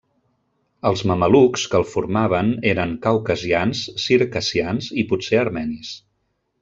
Els mamelucs que el formaven eren caucasians, circassians i potser armenis.